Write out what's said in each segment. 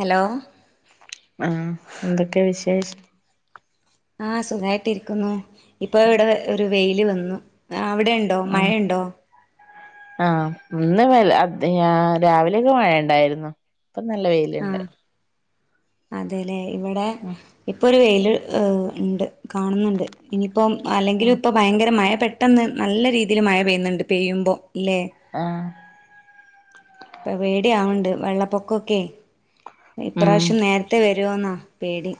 Hello ആഹ് എന്തൊക്കെ വിശേഷം ആഹ് സുഖായിട്ടിരിക്കുന്നു ഇപ്പൊ ഇവിടെ ഒരു വെയില് വന്നു അവിടെ ഡോ ഉണ്ടോ മഴ ആഹ് ഉണ്ടോ ആഹ് ഇന്ന് വ രാവിലെയൊക്കെ മഴണ്ടായിരുന്നു ഇപ്പ നല്ല വൈ ആഹ് അതെല്ലേ ഇവിടെ ഇപ്പൊ ഒരു വെയില് ഇണ്ട് കാണുന്നുണ്ട് ഇനിയിപ്പം ഉം അല്ലെങ്കിലും ഇപ്പ ഭയങ്കര മയപട്ടാ പെട്ടെന്ന് നല്ല രീതിയിൽ മഴ പെയ്യുന്നുണ്ട് പെയ്യുമ്പോൾ ഇല്ലേ ആഹ് ഇപ്പം പേടി ആവണ്ട് വെള്ളപ്പൊക്കൊക്കെ ഉം ഇപ്രാവശ്യം നേരെ ത്തെ വരുമോെന്നാണ് പേടി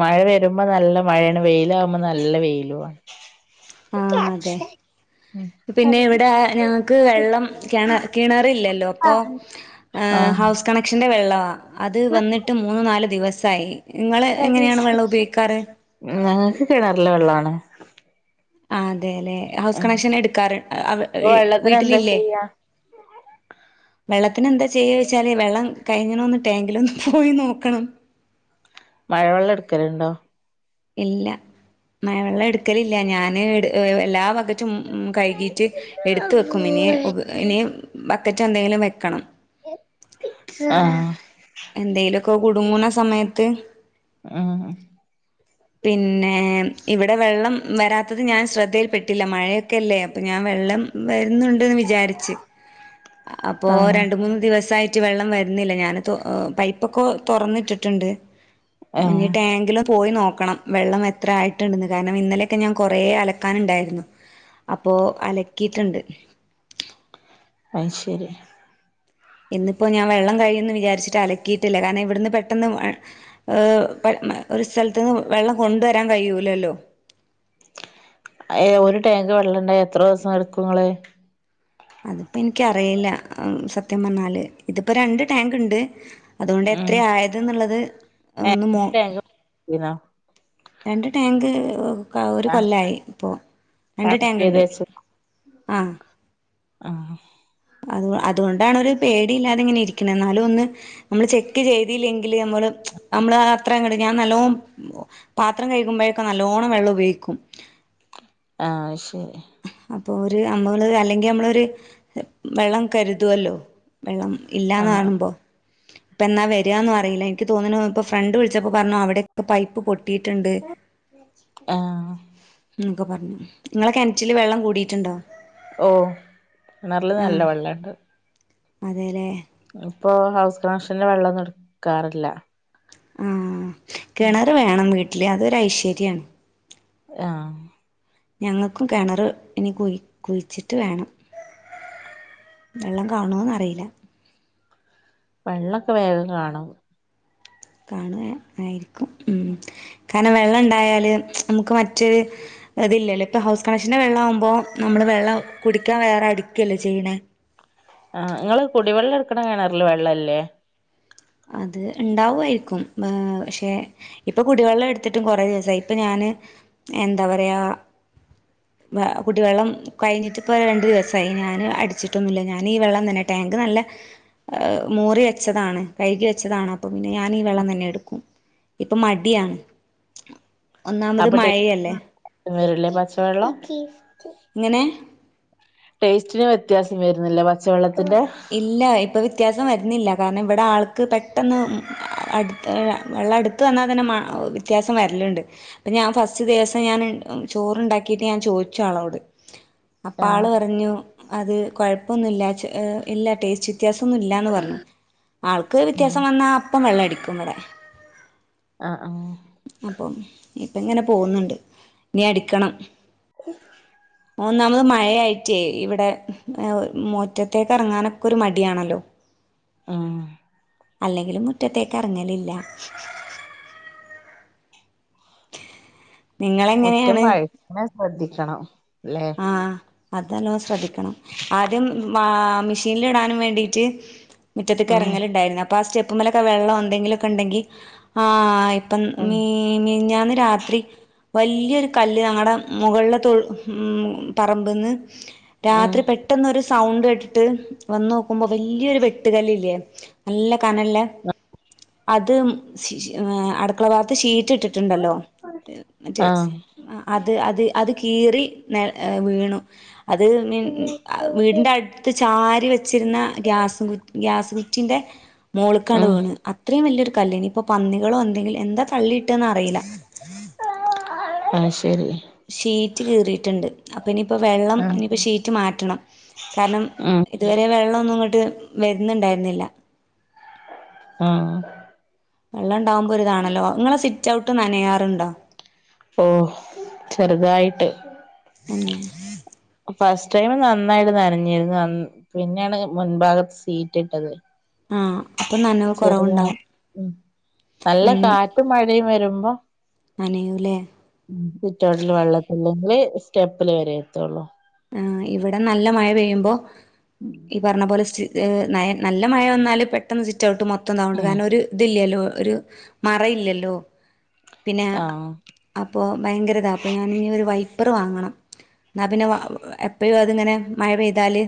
മഴ വരുമ്പോ നല്ല മഴയാണ് വെയില ആകുമ്പോ നല്ല വെയിലവാ ആഹ് അതെ ഉം പിന്നെ ഇവിടെ ഞങ്ങക്ക് വെള്ളം കിണ കിണറില്ലല്ലോ അപ്പൊ ആഹ് ആ ഹൗസ് കണക് ക്ഷെന്റെ വെള്ളാ അത് വന്ന്ട്ട് മൂന്ന് നാല് ദിവസായി നിങ്ങള് എങ്ങനെയാണ് വെള്ളം ഉപയോഗിക്കാറ് ഞങ്ങക്ക് കിണാറിലെവെള്ളാണ് ആ അതെ അതെലേ ഹൗസ് ഉം കണക്ഷൻ എടുക്കാറ് അവ് ഇപ്പൊ ഈ വെള്ളത്തിന് എന്താ വീട്ടിലില്ലേ ചെയ്യാ വെള്ളത്തിന് എന്താ ചെയ്യായ്ച്ചാല് വെള്ളം കഴിഞ്ഞ്ണൊന്ന് ടാങ്കിലൊന്ന് പോയി നോക്കണം മഴ വെള്ളം എടുക്കലുണ്ടോ ഇല്ല മഴവെള്ളം എടുക്കലില്ല ഞാന് ഇട് ഏ എല്ലാ ബക് റ്റും കഴകീട്ട് എടുത്ത് വെക്കും ഇനി ഉപ് ഇനി ബക്കറ്റ് എന്തെങ്കിലും വെക്കണം ആഹ് എന്തേലോക്കെ കുടുങ്ങുണ സമയത്ത് [unintelligible] പിന്നെ ഇവിടെ വെള്ളം വരാത്തത് ഞാൻ ശ്രദ്ധയിൽ പെട്ടില്ല മഴയൊക്കെല്ലേ അപ്പം ഞാൻ വെള്ളം വരുന്നുണ്ട്ന്ന് വിചാരിച്ച് അപ്പോ ആഹ് രണ്ട് മൂന്ന് ദിവസായി ട്ട്, വെള്ളം വരുന്നില്ല ഞാൻ തോ പൈപ്പൊക്കെ തുറന്നിട്ടിട്ടുണ്ട് ഇനി ആഹ് ടാങ്കില് പോയി നോക്കണം വെള്ളം എത്ര ആയിട്ടണ്ടെന്ന് കാരണം ഇന്നലെയൊക്കെ ഞാൻ കുറേ അലക്കാനുണ്ടായിരുന്നു അപ്പോ അലക്കീട്ടുണ്ട് അയ്ശെരി ഇന്നിപ്പോ ഞാൻ വെള്ളം കഴിയുന്ന് വിചാരിച്ചിട്ട് അലക്കീട്ടില്ല കാരണം ഇവിടുന്ന് പെട്ടെന്ന് മഴ് മ മഴ ഒരു സ്ഥലത്തുന്ന് വെള്ളം കൊണ്ടുവരാൻ കഴിയൂലല്ലോ ഏഹ് ഒരു ടാങ്ക് വെള്ളണ്ടായാ എത്രുസം എടുക്കും ഇങ്ങള് അതിപ്പോ ഇൻക്ക് അറിയില്ല സത്യം പറഞ്ഞാല് ഇതിപ്പോ രണ്ട് ടാങ്ക് ഇണ്ട് അതൊണ്ട് ഉം എത്ര ആയത് എന്നുള്ളത് ഏ ഒന്ന് മോ ടാങ്ക് [unintelligible] രണ്ട് ടാങ്ക് ഒ ഒരു ആ കൊല്ലായി ഇപ്പൊ രണ്ട് ടാങ്ക്ണ്ട് ആഹ് അതു അതുകൊണ്ടാണ് ഒരു പേടി ഇല്ലാതെ ഇങ്ങനെ ഇരിക്ക്ണേ എന്നാലും ഒന്ന് അമ്മള് ചെക്ക് ചെയ്തില്ലെങ്കില് അമ്മള് അമ്മള് ആ അത്രങ്ങണ്ട് ഞാൻ നല്ലോം പാത്രം കഴികുമ്പോഴൊക്കെ നല്ലോണ്ണം വെള്ളം ഉപയോഗിക്കും ആഹ് അയ്ശെരി അപ്പോ ഒരു അമ്മള് അല്ലെങ്കി നമ്മളൊരു വെള്ളം കരുതുവല്ലോ വെള്ളം ആ ഇല്ലാന്ന് കാണുമ്പോ ഇപ്പെന്നാ വരാന്ന് അറിയില്ല എനിക്ക് തോന്നുണു ഇപ്പൊ ഫ്രണ്ട് വിളിച്ചപ്പോ പറഞ്ഞു അവിടൊക്കെ പൈപ്പ് പൊട്ടീട്ടുണ്ട് ആ ന്നൊക്കെ പറഞ്ഞു ഇങ്ങളെ കെണ്റ്റില് വെള്ളം കൂടീട്ടുണ്ടോ ഓഹ് കിണറില് നല്ല വെള്ളണ്ട് അതെലേ ഇപ്പൊ ഹൗസ് കണക്ഷന്റെ വെള്ളൊന്നും എടുക്കാറില്ല ഉം ഉം കിണറ് വേണം വീട്ടില് അതൊരു ഐശ്വര്യാണ് ആഹ് ഞങ്ങക്കും കിണറ് ഇനി കുയ് കുയ്ച്ചിട്ട് വേണം വെള്ളം കാണൊന്ന് അറിയില്ല വെള്ളൊക്കെ വേഗം കാണും കാണും ഏ ആയിരിക്കും ഉം കാരണം വെള്ളം ഇണ്ടായാല് നമുക്ക് മറ്റ് അത് ഇല്ലല്ലോ ഇപ്പൊ ഹൗസ് കണക്ഷന്റെ വെള്ളാവുമ്പോ നമ്മള് വെള്ളം കുടിക്കാൻ വേറെ അടിക്കല്ലോ ചെയ്യണേ ആഹ് ഇങ്ങള് കുടിവെള്ളം എടുക്കണ കെണറില് വെള്ളല്ലേ അത് ഇണ്ടാവുമായിരിക്കും വേ പക്ഷെ ഇപ്പൊ കുടിവെള്ളം എടുത്തിട്ടും കുറേ ദിവസായി ഇപ്പൊ ഞാന് എന്താ പറയാ വേ കുടിവെള്ളം കഴിഞ്ഞിട്ടിപ്പോ രണ്ട് ദിവസായി ഞാന് അടിച്ചിട്ടൊന്നുല്ല ഞാന് ഈ വെള്ളം തന്നെ ടങ്ക് നല്ല ഏഹ് മോറി വെച്ചതാണ് കഴുകി വെച്ചതാണ് അപ്പ പിന്നെ ഞാന് ഈ വെള്ളം തന്നെ എടുക്കും ഇപ്പൊ മടിയാണ് ഒന്നാമത് അപ്പോ ടാ മഴയല്ലേ വരല്ലേ പച്ചവെള്ളം ഇങ്ങനെ ടേസ്റ്റിന് വ്യത്യാസം വരുന്നില്ലേ പച്ചവെള്ളത്തിന്റെ? ഇല്ല ഇപ്പോ വ്യത്യാസം വരുന്നില്ല കാരണം ഇവിടെ ആൾക്ക് പെട്ടെന്ന് അടുത്ത് വെള്ള ത്ത് വന്നാ തന്നെ മ വ്യത്യാസം വരല്ണ്ട് അപ്പ ഞാൻ ഫസ്റ്റ് ദിവസം ഞാൻ ചോറുണ്ടാക്കിട്ട് ഞാൻ ചോയ്ച്ചു ആളോട് അപ്പ ആ ആള് പറഞ്ഞു അത് കൊഴപ്പൊന്നുല്ലാച്ച് ഇല്ല ടേസ്റ്റ് വ്യത്യാസം ഒന്നും ഇല്ലാന്ന് പർഞ്ഞു ആൾക്ക് വ്യത്യാസം വന്നാ അപ്പം വെള്ളം അടിക്കും ഇവടെ അ ആഹ് ആഹ് അപ്പം ഇപ്പ ഇങ്ങനെ പോകുന്നുണ്ട് ഇനി അടിക്കണം [unintelligible] ഒന്നാമത് മഴയായിട്ടേ ഇവടെ മുറ്റത്തെ എറങ്ങാനൊക്കെ ഒരു മടിയാണല്ലോ ആഹ് അല്ലെങ്കിലും മുറ്റത്തേക്ക് എറങ്ങലില്ല മുറ്റം നിങ്ങളെങ്ങനെയാണ് വഴ്ക്ക്ണെ ശ്രദ്ധിക്കണം ല്ലേ ആഹ് അതല്ലോം ശ്രദ്ധിക്കണം ആദ്യം മാ മെഷീല് ഇടാനും വേണ്ടിട്ട് മുറ്റത്ത്ക്ക് ഉം എറങ്ങലുണ്ടായിരുന്നു പ്പ സ്റ്റെപ്പുമലൊക്കെ വെള്ളം എന്തെങ്കിലുക്കെ ഇണ്ടെങ്കി ആഹ് ഇപ്പം ഉം മീ മിൻഞ്ഞാന്ന് രാത്രി വല്ല്യോരു കല്ല് ഞങ്ങടെ മുകളിലെ തൊടു ഉം പറമ്പ്ന്ന് രാത്രി പെട്ടെന്നൊരു സൗണ്ട് കേട്ടിട്ട് വന്ന് നോക്കുമ്പോ വല്ല്യോരു വെട്ടുകല്ല്ല്ലേ നല്ല കനല്ലേ അത് അട്ക്കള ഭാഗത്ത് ഷീറ്റ് ഉം ഇട്ടിട്ടുണ്ടല്ലോ മറ്റേ ആഹ് അത് അത് അത് കീറി നെ വീണു അത് വീടിന്റെ അടുത്ത് ചാരി വെച്ചിരുന്ന ഗ്യാസ് ഗ്യാസ് കുറ്റിന്റെ മോള്ക്കാണ്ട് ഉം വീണ് അത്രയും വല്ല്യോരു കല്ല്നി ഇപ്പൊ പന്നികളോ എന്തെങ്കിലും എന്താ തള്ളിയിട്ടത്ന്ന് അറീല അത് ശരി ഷീറ്റ് കീറിട്ട്ണ്ട് അപ്പൊ ഇനിയിപ്പം വെള്ളം ആഹ് ഇനിപ്പം ഷീറ്റ് മാറ്റണം കാരണം ഉം ഇതുവരെ വെള്ളം ഒന്നും ഇങ്ങട്ട് വരുന്നുണ്ടായിരുന്നില്ല ആഹ് വെള്ളംണ്ടാവുമ്പോ ഒരു താണല്ലോ ഇങ്ങളെ സിറ്റൗട്ട് ന്നനയാറുണ്ടോ? ഓഹ് ചെറുതായിട്ട് [unintelligible] ഫസ്റ്റ് ടൈം നന്നായിട്ട് നനഞ്ഞിരുന്നു അന്ന് പിന്നെണ് മുൻഭാഗത്ത് സീറ്റ് ഇട്ടത് ആഹ് അപ്പൊ നനവ് കുറവുണ്ടാവും [unintelligible] നല്ല ഉം കാറ്റും മഴയും വരുമ്പോ നനയൂല്ലേ? സിറ്റൗട്ടില് [unintelligible] സ്റ്റെപ്പില് വരെ എത്തുള്ളൂ ആഹ് ഇവടെ നല്ല മഴ പെയ്യുമ്പോ ഈ പറഞ്ഞ പോലെ സി നല്ല മഴ വന്നാല് പെട്ടെന്ന് സിറ്റഔട്ട് മൊത്തം താവ്ണ്ട് ഉം കാരണം ഒരു ഇതില്ലല്ലോ ഒരു മറയില്ലല്ലോ പിന്നെ ആഹ് അപ്പോ ഭയങ്കരതാ അപ്പ ഞാന് ഒരു വൈപ്പറ് വാങ്ങണം എന്നാ പിന്നെ എപ്പഴും അതിങ്ങനെ മഴ പെയ്താല്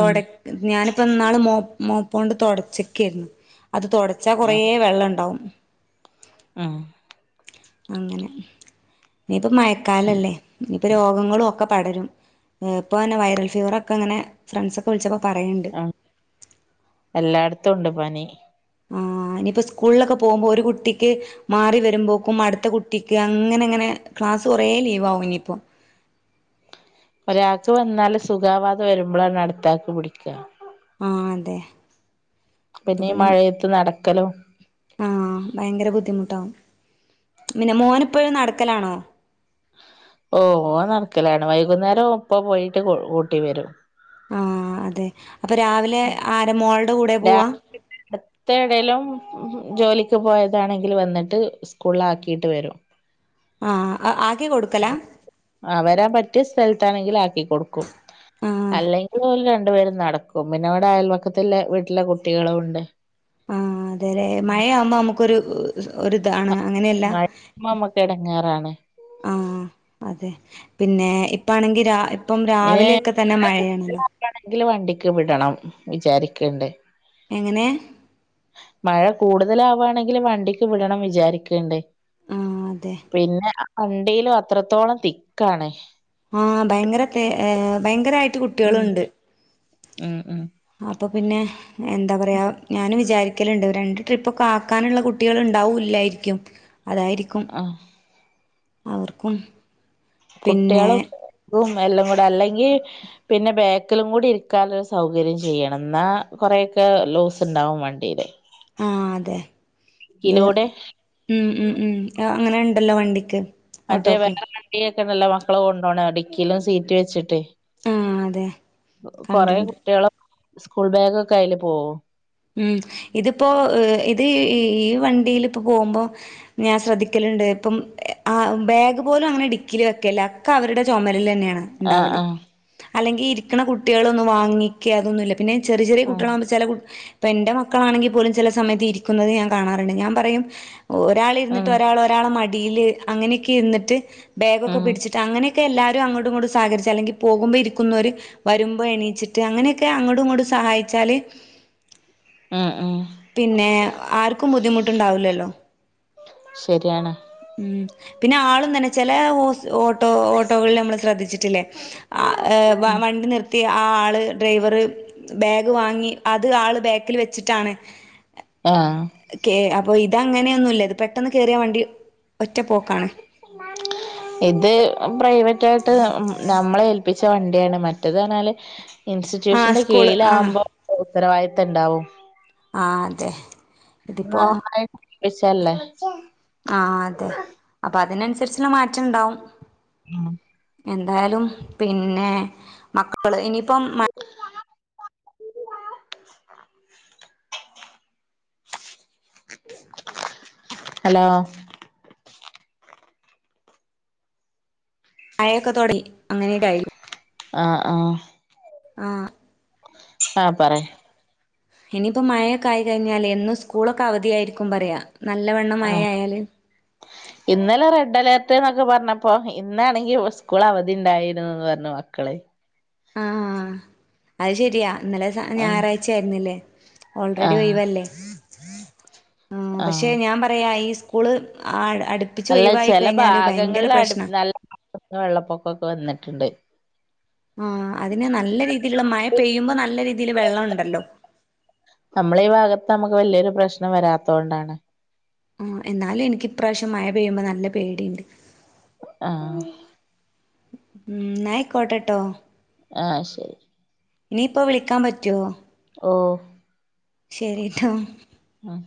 ഉം ഞാനിപ്പോ ന്നാള് മോ മോപ്പൊണ്ട് തുടച്ചക്കെരുന്നു അത് തോ ച്ചാ കൊറേ വെള്ളം ഇണ്ടാവും ആഹ് അങ്ങനെ ഇനിപ്പ മയക്കാലല്ലേ ഇനിപ്പോ രോഗങ്ങളും ഒക്കെ പടരും ഇപ്പോ തന്നെ വൈറൽ ഫീവറൊക്കെങ്ങനെ ഫ്രണ്ട്സൊക്കെ വിളിച്ചപ്പോ പറയ്ണ്ട് ഉം എല്ലാട്ത്തും ണ്ട് പനി ആ ഇനിയിപ്പോ സ്കൂളിലൊക്കെ പോകുമ്പോ ഒരു കുട്ടിക്ക് മാറി വരുമ്പോക്കും അടുത്ത കുട്ടിക്ക് അങ്ങനങ്ങനെ ക്ലാസ് കൊറേ ലീവാവും ഇനിയിപ്പോ ഒരാക്ക് വന്നാല് സുഖാവാതെ വെരുമ്പളാണ് അട്ത്താക്ക് പിടിക്കാ ആഹ് അതെ പിന്നെ ഈ മഴേത്ത് നടക്കലും ആഹ് ഭയങ്കര ബുദ്ധിമുട്ടാവും പിന്നെ മോന് ഇപ്പഴും നടക്കലാണോ ഓ ഓൻ നടക്കലാണ് വൈകുന്നേരം ഇപ്പ പോയിട്ട് കൂട്ടി വെരും ആഹ് അതെ അപ്പൊ രാവിലെ ആരെ മോൾടെ കൂടെ പോവാ ത്തെ എടേലും ജോലിക്ക് പോയതാണെങ്കില് വന്ന്ട്ട് സ്കൂളിലാക്കിട്ട് വെരും ആഹ് അ ആക്കി കൊട്ക്കല വെരാൻ പറ്റിയ സ്ഥലത്താണെങ്കില് ആക്കി കൊടുക്കും ആ അല്ലെങ്കിലോര് രണ്ട് പേരും നടക്കും പ്പപിന്നെ വടെ അയൽവക്കത്ത്ല്ലെ വീട്ടിലെ കുട്ടികളും ണ്ട് ആ അതേലേ മഴയാവുമ്പോ നമുക്കൊരു ഒരിതാണ് അങ്ങനല്ല മഴയാവുമ്പോ നമ്മക്ക് എടങ്ങേറാണ് ആ അതെ പിന്നെ ഇപ്പാണെങ്കി ഇപ്പം രാവിലൊക്കെത്തെന്നെ മഴാണല്ലൊ ക്കാണെങ്കില് വണ്ടിക്ക് വിടണം വിചാരിക്ക്ണ്ട് എങ്ങനെ മഴ കൂടുതലാവാണെങ്കില് വണ്ടിക്ക് വിടണം വിചാരിക്ക്ണ്ട് ആ അതെ പിന്നെ ആ വണ്ടിലും അത്രത്തോളം തിക്കാണ് ആഹ് ഭയങ്കര തെ ഭയങ്കരായിട്ട് ഉം കുട്ട്യാള്ണ്ട് ഉം ഉം അപ്പം പിന്നെ എന്താ പറയാ ഞാനും വിചാരിക്കല്ണ്ട് രണ്ട് ട്രിപ്പൊക്കെ ആക്കാനുള്ള കുട്ട്യാള് ണ്ടാവൂല്ലായിരിക്കും അതായിരിക്കും ആഹ് അവർക്കും പിന്നെ കുട്ട്യാളും ഗും എല്ലാം കൂടെ അല്ലെങ്കി പിന്നെ ബാക്കിലും കൂടി ഇരിക്കാള്ളൊരു സൗകര്യം ചെയ്യണം ന്നാ കൊറേയൊക്കെ ലൂസ് ണ്ടാവും വൺ ണ്ടില് ആഹ് അതെ അത് ഉം ഉം ഉം അങ്ങനെ ണ്ടല്ലോ വണ്ടിക്ക് മറ്റേ വേറെ ഓട്ടോക്ക് വണ്ടിക്കൊക്കെണ്ടല്ലോ മക്കളെ കൊണ്ടോണെ ടിക്കിലും സീറ്റ് വെച്ച്ട്ട് ആ അതെ കൊറെ കണ്ടിണ്ട് കുട്ട്യാളെ സ്കൂൾ ബാഗൊക്കെ അയ്ല് പോവും ഉം ഇതിപ്പോ ഇത് ഈ വണ്ടിലിപ്പ പോമ്പോ ഞാൻ ശ്രദ്ധിക്കല്ണ്ട് ഇപ്പം ആ ബാഗ് പോലും അങ്ങനെ ടിക്കില് വെക്കലില്ല ഒക്കെ അവര്ടെ ചൊമലിലെന്നെണ് ആഹ് ഉണ്ടാവല് ആഹ് അല്ലെങ്കി ഇരിക്ക്ണ കുട്ട്യാളൊന്ന് വാങ്ങിക്കെ അതൊന്നുല്ല പിന്നെ ചെറിയ ചെറിയ ആഹ് കുട്ട്യാളാമ്പൊ ചെല കു ഇപ്പോ ഇന്റെ മക്കളാണെങ്കി പോലും ചെല സമയത്ത് ഇരിക്കുന്നത് ഞാൻ കാണാറുണ്ട് ഞാൻ പറയും ഒരാള്ര്ന്ന്ട്ട് ഉം ഒരാള് ഒരാളെ മടില് അങ്ങനൊക്കെ ഇര്ന്ന്ട്ട് ബാഗൊക്കെ ഉം പിടിച്ച് അങ്ങനൊക്കെല്ലാരും അങ്ങോട്ടും ഇങ്ങോട്ടും സഹകരിച്ച് അല്ലെങ്കി പോകുമ്പോ ഇരിക്കുന്നോര് വരുമ്പോ എണീച്ചിട്ട് അങ്ങനെയൊക്കെ അങ്ങോട്ടും ഇങ്ങോട്ടും സഹായിച്ചാല് ആഹ് ആഹ് പിന്നെ ആർക്കും ബുദ്ധിമുട്ടുണ്ടാവൂലല്ലോ ശരിയാണ് ഉം പിന്നെ ആളും തന്നെ ചെലേ ഓസി ഓ ട്ടോ ഓട്ടോകളിലമ്മള് ശ്രദ്ധിച്ചിട്ടില്ലേ ആ എ വാ ഉം വണ്ടി നിർത്തിയി ആ ആള് ഡ്രൈവർ ബാഗ് വാങ്ങി അത് ആള് ബാക്കില് വെച്ചിട്ടാണ് ആഹ് കേ അപ്പൊ ഇത അങ്ങനെയൊന്നുല്ല ഇത് പെട്ടെന്ന് കേറിയ വണ്ടി ഒറ്റ പോക്കാണ് ഇത് പ്രൈവറ്റായിട്ട് മ് നമ്മള് ഏൽപ്പിച്ച വണ്ടിയാണ് മറ്റേത് പറഞ്ഞാല് ആ ഇൻസ്റ്റിറ്റ്യൂഷന്റെ സ്കൂള് ആ കീഴിലാവുമ്പോ ഉത്തരവാധിത്തണ്ടാവും ആഹ് അതെ ഇതിപ്പോ നമ്മള് ഏൽപിച്ചല്ലേ ആഹ് അതെ അപ്പൊ അതിനനുസരിച്ച്ള്ള മാറ്റണ്ടാവും ഉം എന്തായാലും പിന്നെ മക്കള് ഇനിയിപ്പം [unintelligible] ഹലോ മഴക്കെ തൊടങ്ങി ആഹ് ആഹ് ആഹ് ആഹ് പറയ് ഇനിയിപ്പം മഴൊക്കെ ആയി കഴിഞ്ഞാലെ എന്നും സ്കൂളൊക്കെ അവധിയായിരിക്കും പറയാ നല്ലവണ്ണം മഴ ആഹ് ആയാല് ഇന്നലെ റെഡ് അലേർട്ട്ന്നൊക്കെ പറഞ്ഞപ്പൊ ഇന്നാണെങ്കി സ്കൂള് അവധിണ്ടായിരുന്ന് പറഞ്ഞു മക്കളെ ആഹ് അത് ശരിയാ ഇന്നലെ ഉം ഞായറാഴ്ച ആയിരുന്നില്ലേ ഓൾറെഡി ആഹ് ഒയിവല്ലേ ആഹ് പക്ഷെ ഞാൻ പറയാ ഈ സ്കൂള് അടു അല്ല ചെല ഭാഗങ്ങളില് അടുപ്പി നല്ല വെള്ളപ്പൊക്കൊക്കെ വന്ന്ട്ടുണ്ട് ആഹ് അതിന് നല്ല രീതിയില്ള്ള മഴ പെയ്യുമ്പോ നല്ല രീതിയില് വെള്ളവുണ്ടല്ലോ? നമ്മളെ ഈ ഭാഗത്ത് നമുക്ക് വല്ല്യയൊരു പ്രശ്നം വരാത്തോണ്ടാണ് ആഹ് എന്നാലും എനിക്ക് ഇപ്രാശ്യം മഴ പെയ്യുമ്പോ നല്ല പേടിണ്ട് ആഹ് ഉം ഇന്നാ അയ്ക്കോട്ടെ ട്ടോ ആഹ് ശരി ഇനിയിപ്പൊ വിളിക്കാം പറ്റോ? ഓഹ് ശെരിട്ടോ ആഹ്